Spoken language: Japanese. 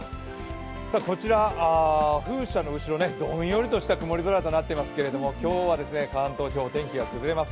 こちら、風車の後ろね、どんよりとした曇り空になっていますけれども今日は関東地方、天気が崩れます。